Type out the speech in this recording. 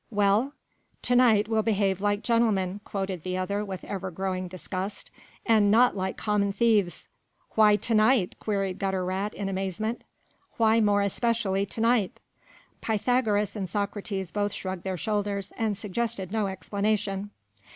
"Well?" "To night we'll behave like gentlemen," quoted the other with ever growing disgust, "and not like common thieves." "Why to night?" queried Gutter rat in amazement. "Why more especially to night?" Pythagoras and Socrates both shrugged their shoulders and suggested no explanation.